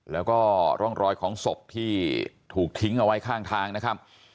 แล้วก็ร่องรอยของศพที่ถูกทิ้งเอาไว้ข้างทางนะครับ